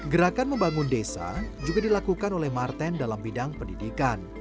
gerakan membangun desa juga dilakukan oleh marten dalam bidang pendidikan